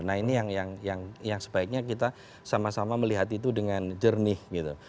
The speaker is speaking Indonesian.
nah ini yang sebaiknya kita sama sama melihat itu dengan jernih gitu